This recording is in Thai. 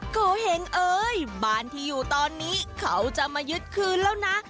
โกเห็งเอ้ยบ้านที่อยู่ตอนนี้เขาจะมายึดคืนแล้วนะ